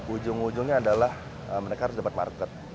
ujung ujungnya adalah mereka harus dapat market